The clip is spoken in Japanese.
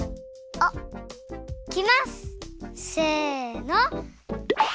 あっ！いきます！せの！